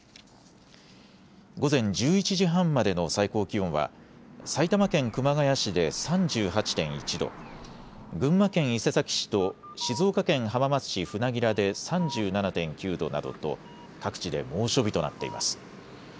午前１１時半までの最高気温は埼玉県熊谷市で３８．１度、群馬県伊勢崎市と静岡県浜松市船明で３７．９度などと各地で猛暑日となっています。